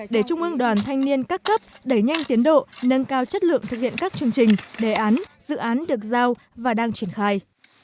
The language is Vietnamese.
để trung ương đoàn thanh niên các cấp đẩy nhanh tiến độ nâng cao chất lượng thực hiện các chương trình đề án dự án được giao và đang triển khai